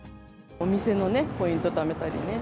お店のね、ポイントためたりね。